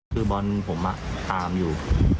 คือบอลผมตามอยู่